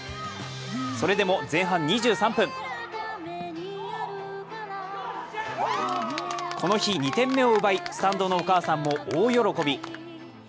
それでも前半２３分この日２点目を奪い、スタンドのお母さんも大喜び。